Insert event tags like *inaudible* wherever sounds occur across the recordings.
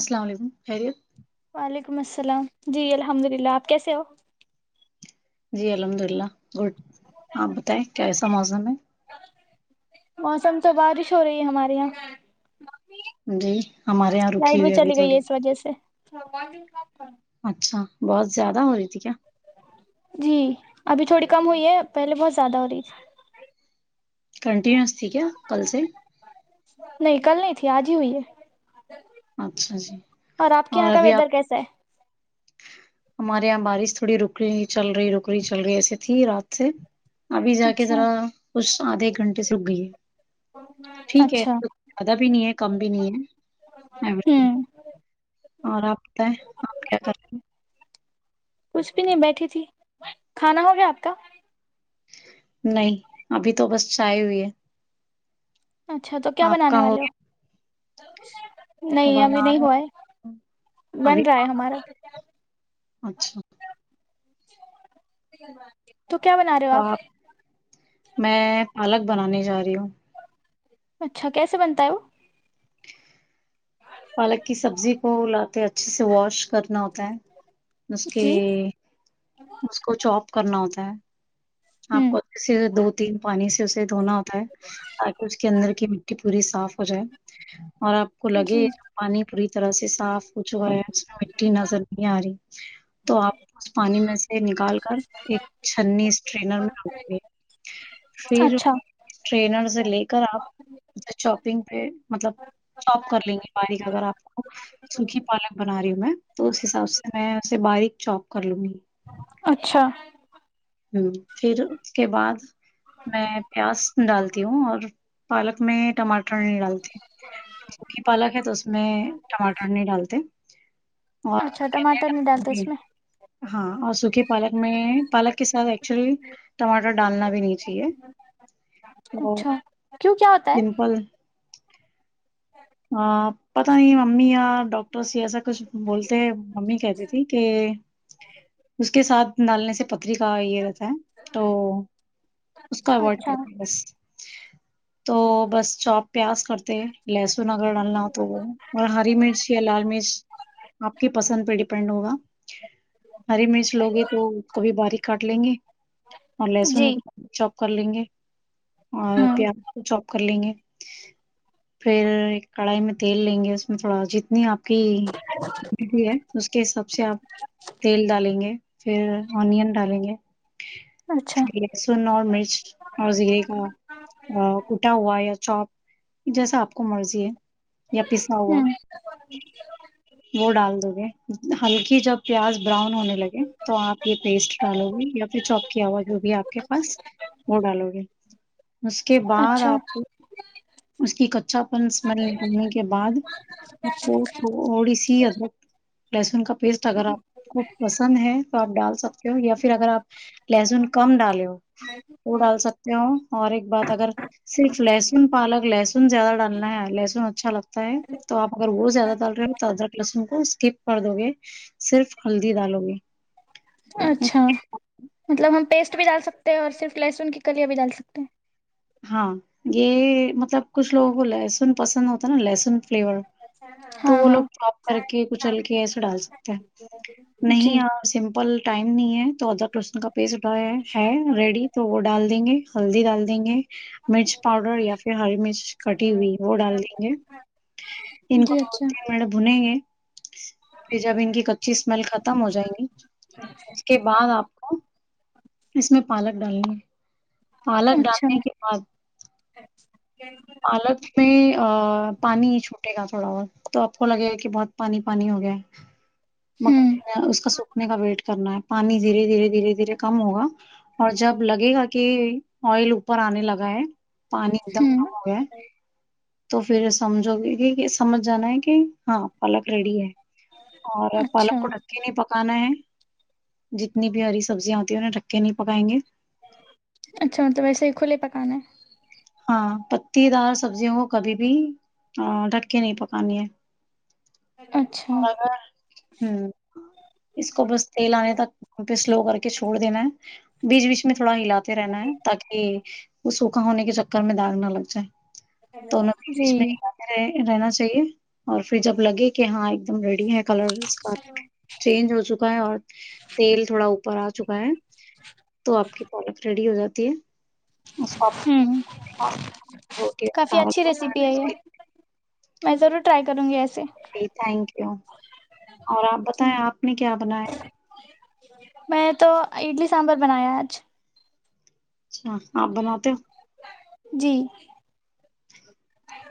السلام علیکم خیریت وعلیکم السلام جی الحمد للہ آپ کیسے ہو جی الحمد اللہ گڈ آپ بتائیں کیسا موسم ہے موسم تو بارش ہو رہی ہے ہمارے یہاں ہے جی ہمارے یہاں رکی لائٹ بھی ہوئی ابھی چلی گئی ہے تھوڑی اس وجہ سے اچھا بہت زیادہ ہو رہی تھی کیا جی ابھی تھوڑی کم ہوئی ہے پہلے بہت زیادہ ہو رہی تھی کنٹینیوس تھی کیا کل سے نہیں کل نہیں تھی آج ہی ہوئی ہے اچھا جی اور آپ کے یہاں کا ابھی ویدر آپ کیسا ہے ہمارے یہاں بارش تھوڑی رک چل رہی رک رہی چل رہی ایسے تھی رات سے ابھی جا کے ذرا اچھا کچھ آدھے ایک گھنٹے سے رک گئی ہے ٹھیک ہے اچھا زیادہ بھی نہیں ہے کم بھی نہیں ہے ہوں اور آپ بتیں آپ کیا کر رہے کچھ بھی نہیں بیٹھی تھی کھانا ہو گیا آپ کا نہیں ابھی تو بس چائے ہوئی ہے اچھا تو کیا آپ بنانے کا والے ہو گیا نہیں ابھی بنا نہیں ہوا رہے ہیں ہے بن ابھی رہا ہے ہمارا اچھا تو کیا بنا رہے ہو آپ میں پالک بنانے جا رہی ہوں اچھا کیسے بنتا ہے وہ پالک کی سبزی کو لاتے اچھے سے واش کرنا ہوتا ہے اس کے جی اس کو چوپ کرنا ہوتا ہے آپ ہوں کو اسے دو تین پانی سے اسے دھونا ہوتا ہے تاکہ اس کے اندر کی مٹی پوری صاف ہو جائے اور آپ کو جی لگے پانی پوری طرح سے صاف ہو چکا ہے اس میں مٹی نظر نہیں آ رہی تو آپ اس پانی میں سے نکال کر ایک چھنی اس ٹرینر میں رک دے پھر اچھا ٹرینر سے لے کر آپ چاپنگ پہ مطلب چوپ کر لیں گے باریک اگر آپ کو سوکھی پالک بنا رہی ہوں میں تو اس حساب سے میں اسے باریک چوپ کر لوں گی اچھا ہ پھر اس کے بعد میں پیاز ڈالتی ہوں اور پالک میں ٹماٹر ٹر نہیں ڈالتے سوکی پالک ہے تو اس میں ٹماٹر نہیں ڈالتے اچھا ٹماٹر نہیں اور ڈالتے اس میں ہاں اور سوکھی پالک میں پالک کے ساتھ ایکچولی ٹماٹر ڈالنا بھی نہیں چاہیے اور اچھا کیوں کیا پیمپل ہے ہ پتا نہیں ممی یا ڈاکٹرس ایسا کچھ بولتے ممی کہتی تھی کہ اس کے ساتھ ڈالنے سے پتری کا یہ رہتا ہے تو اس کو اوائڈ اچھا کرتے ہے بس تو بس چوپ پیاز کرتے لہسن لہسن اگر ڈالنا ہو تو وہ اور ہری مرچ یا لال مرچ آپ کے پسند پہ ڈیپینڈ ہوگا ہری مرچ لوگی تو اس کو بھی باریک کاٹ لیں گے اور لہسن جی کو چوپ کر لیں گے اور ہوں پیاز کو چوپ کر لیں گے پھر کڑائی میں تیل لیں گے اس میں تھوڑا جتنی آپ کی ہے *unintelligible* اس کے حساب سے آپ تیل ڈالیں گے پھر انین ڈالیں گے اچھا پھر لہسن اور مرچ اور زیرے کا کوٹا ہوا یا چوپ جیسا آپ کو مرضی ہے یا پیسہ ہوا ہوں وہ ڈال دو گے ہلکی جب پیاز براؤن ہونے لگے تو آپ یہ پیسٹ ڈالو گے یا پھر چوپ کی ہوا جو بھی ہے آپ کے پاس وہ ڈالو گے اس کے بعد اچھا آپ کو اس کی کچا پن اسمل نکالنے کے بعد آپ کو تھوڑی سی ادراک لہسن کا پیسٹ اگر آپ کو پسند ہے تو آپ ڈال سکتے ہو یا پھر اگر آپ لہسن کم ڈالے ہو وہ ڈال سکتے ہو اور ایک بات اگر صرف لہسن پالک لہس ن زیادہ ڈالنا ہے لہسن اچھا لگتا ہے تو اپ اگر وہ زیادہ ڈال رہے ہو تو ادرک لہسن کو اسکپ کر دو گے صرف ہلدی دالو گے اچھا مطلب ہم پیسٹ بھی ڈال سکتے ہیں اور صرف لہسن کی کلیاں بھی ڈال سکتے ہیں ہاں یہ مطلب کچھ لوگوں کو لہسن پسند آتا نا لہسن فلیور ہیں تو ہاں وہ ہاں لوگ چوپ کر کے کچل کے ایسا ڈال سکتے ہے جی نہیں آ سمپل ٹائم نہیں ہے تو ادراک لہسن کا پیسٹ اٹھایا ہے ریڈی تو وہ ڈال دیں گے ہلدی ڈال دیں گے مرچ پاؤڈر یا پھر ہری مرچ کٹی ہوئی وہ ڈال دیں گے جی اچھا پر بھونئینگے پھر جب ان کی کچی سمیل ختم ہو جائیں گی کے بعد آپ کو اس میں پالک ڈالنی ہے پالک اچھا ڈالنے کے بعد *unintelligible* پالک میں ا پانی چھوٹے گا تھوڑا اور تو آپ کو لگے گا کہ بہت پانی پانی ہو گیا م ہوں اس کا سوکھنے کا ویٹ کرنا ہے پانی دھیرے دھیرے دھیرے دھیرے کم ہوگا اور جب لگے گا کہ آئل اوپر آنے لگا ہے پانی ایک دم ہوں ہوگے تو پھر سمجھو گے کہ سمجھ جانا ہے کہ ہاں پالک ریڈی ہے اور اچھا پالک کو ڈھک کے نہیں پکانا ہے جتنی بھی ہری سبزیاں ہوتی ہیں انیں ڈھک کے نہیں پکائیں گے اچھا مطلب ایسے کھلے پکانا ہے ہاں پتی دار سبزیوں کو کبھی بھی ہاں ڈھک کے نہیں پکانی ہے اچھا اور ہوں اس کو بس تیل آنے تک پہ سلو کر کے چھوڑ دینا ہے بیچ بیچ میں تھوڑا ہلات ے رہنا ہے تاکہ وہ سوکھا ہونے کے چکر میں داغ نہ لگ جائے تو انوں بیچ جی بیچ میں ہلاتے رہ رہنا چاہیے اور پھر جب لگے کہ ہاں ایک دم ریڈی ہے کلر اس کا چینج ہو چکا ہے اور تیل تھوڑا اوپر آ چکا ہے تو آپ کی پالک ریڈی ہو جاتی ہے ہوں کافی اچھی ریسیپی ہے یہ *inaudible* میں ضرور ٹرائی کروں گی ایسے جی تھینک یو اور آپ جی بتائیں آپ نے کیا بنایا میں تو اڈلی سانبر بنایا آج اچھا آپ بناتے ہو جی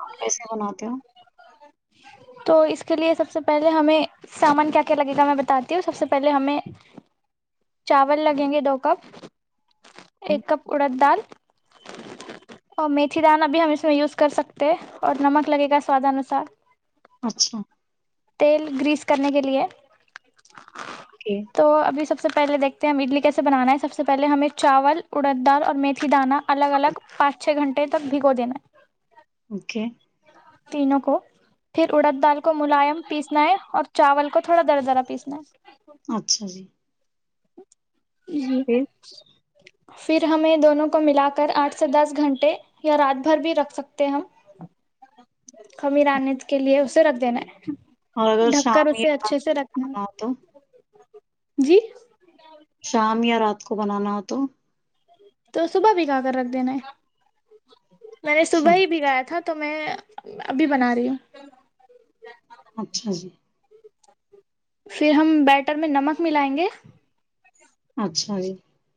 آپ کیسے بناتے ہو ا *inaudible* تو اس کے لیے سب سے پہلے ہمیں سامان کیا کیا لگے گا میں بتاتی ہوں سب سے پہلے ہمیں چاول لگیں گے دو کپ ہم، ایک کپ اڑد دال اور میتھی دانا بھی ہم اس میں یوز کر سکتے اور نمک لگے گا سوادانوسار اچھا تیل گریس کرنے کے لیے اوکے تو ابھی سب سے پہلے دیکھتے ہیں ہم اڈلی کیسے بنانا ہے سب سے پہلے ہمیں چاول اڑد دال اور میتھی دانہ الگ الگ پانچ چھ گھنٹے تک بھگو دینا ہے اوکے تینوں کو پھر اڑد دال کو ملائم پیسنا ہے اور چاول کو تھوڑا در درا پیسنا ہے اچھا جی ہوں پھر پھر ہمیں دونوں کو ملا کر آٹھ سے دس گھنٹے یا رات بھر بھی رکھ سکتے ہم خمیر آنے کے لیے اسے رکھ دینا ہے ڈھک کر اسے اچھے سے رکھنا ہاں ہے تو جی شام یا رات کو بنانا ہو تو تو صبح بھگا کر رکھ دینا ہے میں نے اچھا صبح ہی بھگایا تھا تو میں ابھی بنا رہی ہوں اچھا جی پھر ہم بیٹر میں نمک ملائیں گے اچھا جی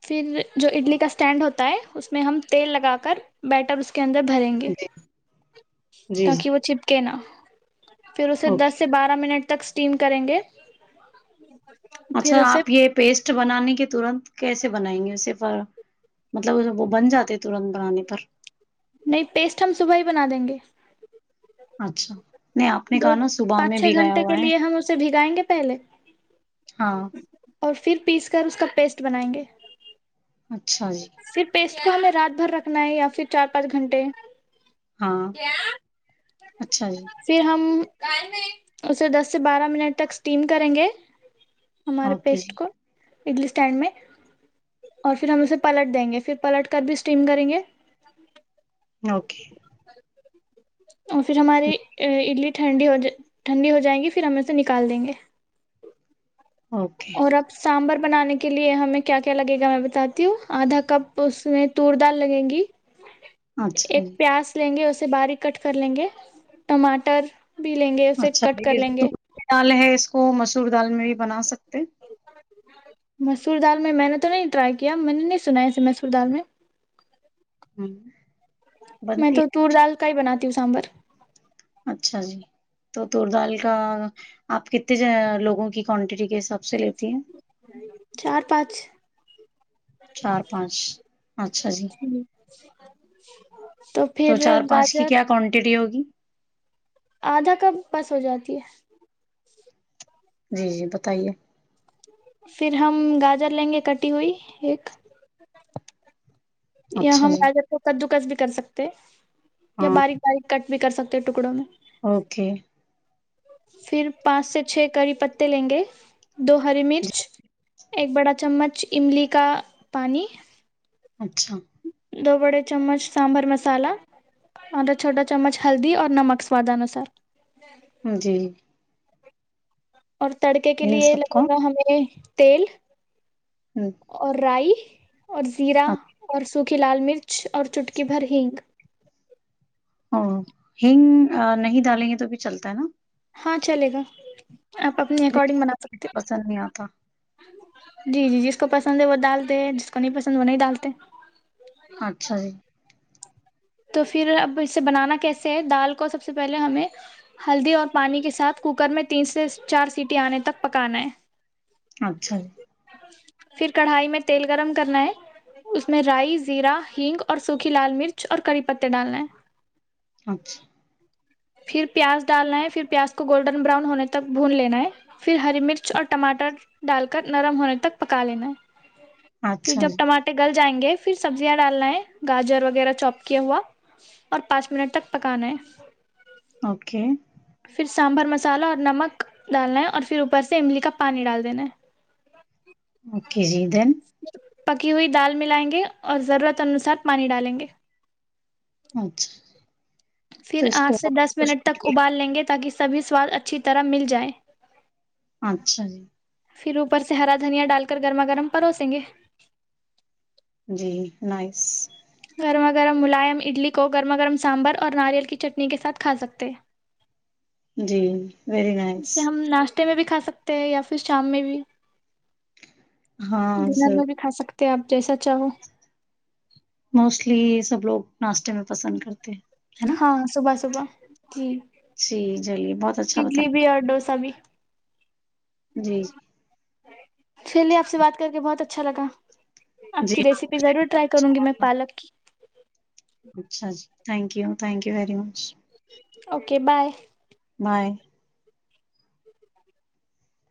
پھر جو اڈلی کا اسٹینڈ ہوتا ہے اس میں ہم تیل لگا کر بیٹر اب اس کے اندر بھریں گے جی جی جی تاکہ وہ چپکے نا پھر اسے دس اوکے سے بارہ منٹ تک اسٹیم کریں گے پھر اچھا اسے آپ یہ پیسٹ بنانے کے ترنت کیسے بنائیں گے اسےف مطلب وہ بن جاتے ہیں ترنت بنانے پر نہیں پیسٹ ہم صبح ہی بنا دیں گے اچھا نہیں آپ نے دو کہا نا صبح پانچ میں چھ بھی گیا گھنٹے کے ہوا ہے لیے ہم اسے بھگائیں گے پہلے ہاں اور پھر پیس کر اس کا پیسٹ بنائیں گے اچھا جی پھر پیسٹ کو ہمیں رات بھر رکھنا ہے یا پھر چار پانچ گھنٹے ہاں اچھا جی پھر ہم اسے دس سے بارہ منٹ تک اسٹیم کریں گے ہمارے اوکے پیسٹ جی کو اڈلی اسٹینڈ میں اور پھر ہم اسے پلٹ دیں گے پھر پلٹ کر بھی اسٹیم کریں گے اوکے اور پھر ہماری اڈلی ٹھنڈی ہو جائے ٹھنڈی ہو جائیں گی پھر ہم اسے نکال دیں گے اوکے اور اب سامبھر بنانے کے لیے ہمیں کیا کیا لگے گا میں بتاتی ہوں آدھا کپ اس میں تور دال لگیں گی اچھا ایک جی پیاز لیں گے اسے باریک کٹ کر لیں گے ٹماٹر بھی لیں گے اسے اچھا کٹ کر یہ لیں جو گے تم دال ہے اس کو مسور دال میں بھی بنا سکتے مسور دال میں میں نے تو نہیں ٹرائی کیا میں نے نہیں سنا ہے اسے مسور دال میں ہوں میں بنتی تو تور دال کا ہی بناتی ہوں سامبر اچھا جی تور دال کا آپ کتنے لوگوں کی کوانٹیٹی کے حساب سے لیتی ہے چار پانچ چار پانچ اچھا جی تو پھر گاجر کانٹیٹی ہوگی آدھا کپ بس ہو جاتی ہے جی جی بتائیے پھر ہم گاجر لیں گے کٹی ہوئی ایک یا اچھا ہم جی گاجر کو کدو گس بھی کر سکتے یا ہاں باریک باریک کٹ بھی کر سکتے ہیں ٹکڑوں میں اوکے پھر پانچ سے چھ کری پتے لیں گے دو ہری مرچ جی ایک بڑا چمچ املی کا پانی اچھا دو بڑے چمچ سامبر مسالا ادھا چھوٹا چمچ ہلدی اور نمک سواد انوسار ھم جی اور تڑکے کے ان لیے سب کو لگے گا ہمیں تیل ہوں اور رائی اور زیرا اور سوکھی لال مرچ اور چٹکی بھر ہینگ او ہنگ نہیں ڈالیں گے تو بھی چلتا ہے نا ہاں چلے گا آپ اپنی کیونکہ اکارڈنگ بنا سکتے پسند نہیں آتا ہو جی جی جس کو پسند ہے وہ ڈالتے ہیں جس کو نہیں پسند وہ نہیں ڈالتے اچھا جی تو پھر اب اسے بنانا کیسے ہے دال کو سب سے پہلے ہمیں ہلدی اور پانی کے ساتھ کوکر میں تین سے چار سیٹی آنے تک پکانا ہے اچھا جی پھر کڑھائی میں تیل گرم کرنا ہے اس میں رائی زیرہ ہینگ اور سوکھی لال مرچ اور کری پتے ڈال لیں اچھا پھر پیاز ڈالنا ہے پھر پیاز کو گولڈن براؤن ہونے تک بھون لینا ہے پھر ہری مرچ اور ٹماٹر ڈال کر نرم ہونے تک پکا لینا ہے پھر اچھا جب جی ٹماٹے گل جائیں گے پھر سبزیاں ڈالنا ہے گاجر وغیرہ چوپ کیا ہوا اور پانچ منٹ تک پکانا ہے اوکے پھر سانبھر مسالہ اور نمک ڈالنا ہے اور پھر اوپر سے املی کا پانی ڈال دینا ہے اوکے جی دین پکی ہوئی دال ملائیں گے اور ضرورت انوسار پانی ڈالیں گے اچھا پھر تو اس آٹھ کو سے دس کچھ منٹ تک ابال لیں گے تاکہ سبھی سواد اچھی طرح مل جائے اچھا جی پھر اوپر سے ہرا دھنیا ڈال کر گرما گرم پروسیں گے جی نائس گرما گرم ملائم اڈلی کو گرما گرم سانبر اور ناریل کی چٹنی کے ساتھ کھا سکتے جی ویری نائس تے میں بھی کھا سکتے ہیں یا پھر شام میں بھی ہاں ڈینر سر میں بھی کھا سکتے کے آپ جیسا چاہو موسٹلی سب لوگ ناشتے میں پسند کرتے ہیں ہے نا ہاں صبح صبح جی جی چلیے بہت اچھا بتا اڈلی بھی اور ڈوسا بھی جی چلیے آپ سے بات کر کے بہت اچھا لگا آپ جی کی ہاں ریسیپی مجھے ضرور بہت ٹرائی کروں گی اچھا میں لگا پالک کی اچھا جی thank you thank you very much okay bye bye